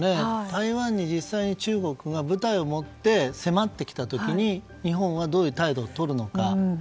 台湾に実際に中国が部隊を持って、迫っていった時に日本がどういう態度をとるのか。